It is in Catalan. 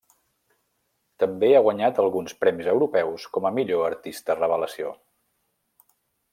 També ha guanyat alguns premis europeus com a millor artista revelació.